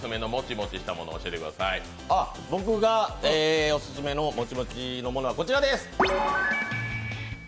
僕がオススメのモチモチのものはこちらです